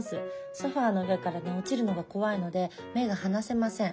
ソファーの上から落ちるのが怖いので目が離せません。